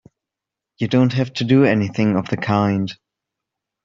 You don't have to do anything of the kind!